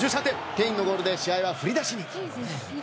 ケインのゴールで試合は振り出しに。